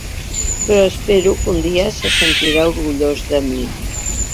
Però espero que un dia se sentirà orgullós de mi.